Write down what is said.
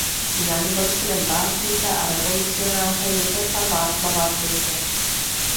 Jan byl synem básníka a revolucionáře Josefa Václava Friče.